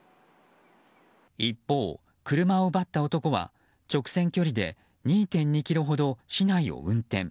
一方、車を奪った男は直線距離で２．２ｋｍほど市内を運転。